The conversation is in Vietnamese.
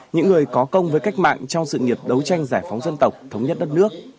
những người có công với cách mạng trong sự nghiệp đấu tranh giải phóng dân tộc thống nhất đất nước